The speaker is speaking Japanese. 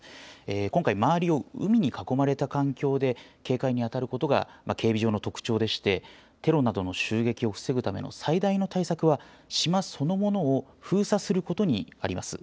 今回、周りを海に囲まれた環境で警戒に当たることが、警備上の特徴でして、テロなどの襲撃を防ぐための最大の対策は島そのものを封鎖することにあります。